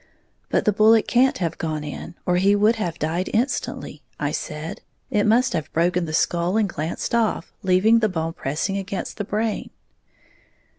"But the bullet can't have gone in, or he would have died instantly," I said; "it must have broken the skull and glanced off, leaving the bone pressing against the brain."